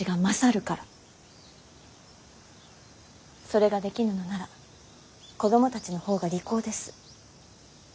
それができぬのなら子供たちの方が利口です。